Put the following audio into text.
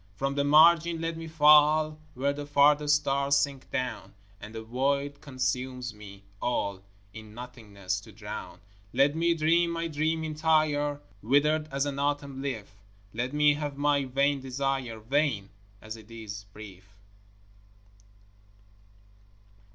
From the margin let me fall Where the farthest stars sink down, And the void consumes me, all In nothingness to drown. Let me dream my dream entire, Withered as an autumn leaf Let me have my vain desire, Vain as it is brief.